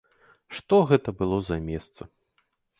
Што гэта было за месца!